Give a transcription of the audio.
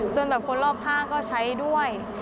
จนที่คนรอบค่าก็ใช้ด้วย